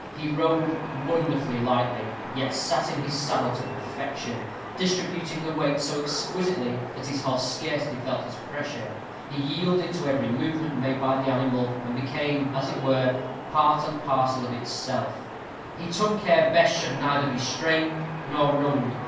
He rode wonderfully lightly, yet sat his saddle to perfection, distributing the weight so exquisitely that his horse scarcely felt his pressure; he yielded to every movement made by the animal, and became, as it were, part and parcel of itself; he took care Bess should be neither strained nor wrung.